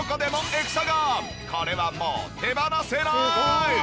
これはもう手放せない！